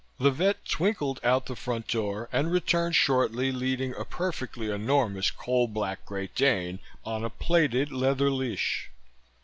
The vet twinkled out the front door and returned shortly, leading a perfectly enormous coal black Great Dane on a plaited leather leash.